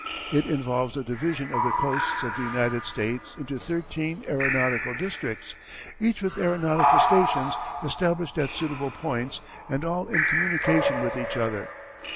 It involves the division of the coasts of the United States into thirteen aeronautical districts, each with aeronautical stations established at suitable points and all in communication with each other.